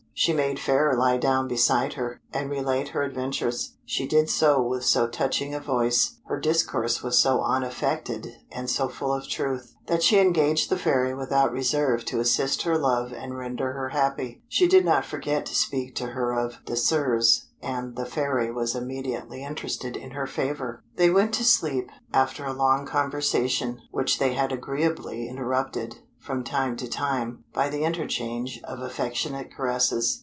She made Fairer lie down beside her, and relate her adventures. She did so with so touching a voice, her discourse was so unaffected and so full of truth, that she engaged the Fairy without reserve to assist her love and render her happy. She did not forget to speak to her of Désirs, and the Fairy was immediately interested in her favour. They went to sleep, after a long conversation, which they had agreeably interrupted, from time to time, by the interchange of affectionate caresses.